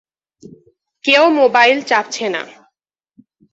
কেউ মোবাইল চাপছে না।